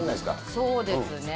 そうですね。